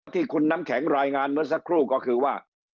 ที่คุณน้ำแข็งรายงานเมื่อสักครู่ก็คือว่า